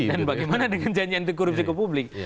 dan bagaimana dengan janji anti korupsi ke publik